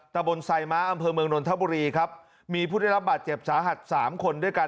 ตะบนไซม้าอำเภอเมืองนนทบุรีครับมีผู้ได้รับบาดเจ็บสาหัสสามคนด้วยกัน